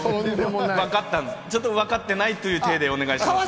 ちょっと分かってないていでお願いします。